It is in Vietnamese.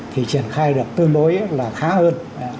thì triển khai được tương đối là khá hơn